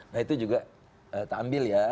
nah itu juga kita ambil ya